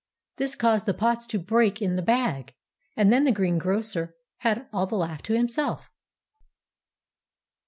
This caused the pots to break in the bag, and then the greengrocer had all the laugh to himself.